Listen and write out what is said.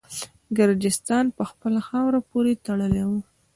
ګرجستان په خپله خاوره پوري تړلی وو.